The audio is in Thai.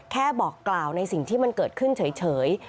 บอกกล่าวในสิ่งที่มันเกิดขึ้นเฉย